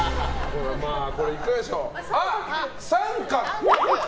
これはいかがでしょう？